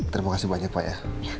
terima kasih banyak pak ya